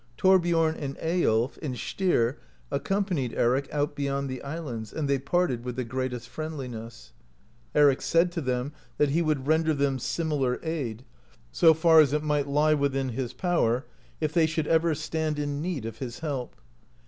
Thorbiorn, and Eyiolf, and Styr accompanied Eric out beyond the islands, and they parted with the greatest friendliness ; Eric said to them that he would render them similar aid, so far as it might lie within his p«3wer, if they should ever stand in need of his help.